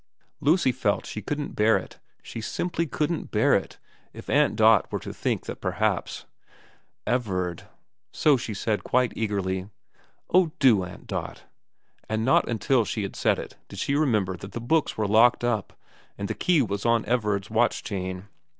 Lucy felt she couldn't bear it, she simply couldn't bear it, if Aunt Dot were to think that perhaps Everard. ... So she said quite eagerly, ' Oh do, Aunt Dot,' and not until she had said it did she remember that the books were locked up, and the key was on Everard's watch chain.